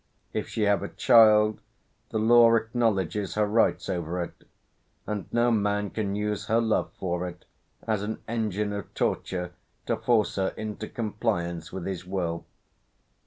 If she have a child, the law acknowledges her rights over it, and no man can use her love for it as an engine of torture to force her into compliance with his will.